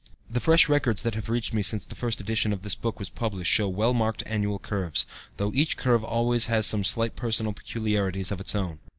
The fresh records that have reached me since the first edition of this book was published show well marked annual curves, though each curve always has some slight personal peculiarities of its own.